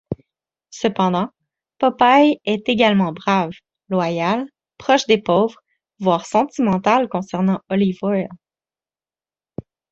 Cependant, Popeye est également brave, loyal, proche des pauvres, voire sentimental concernant Olive Oyl.